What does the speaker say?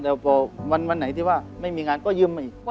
แต่พอวันไหนที่ว่าไม่มีงานก็ยืมมาอีก